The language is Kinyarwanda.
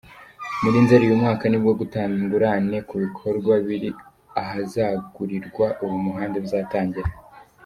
Muri Nzeli uyu mwaka nibwo gutanga ingurane ku bikorwa biri ahazagurirwa uwo muhanda bizatangira.